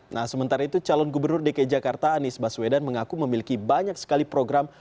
nah sementara itu calon gubernur dki jakarta anies baswedan mengaku memiliki banyak sekali program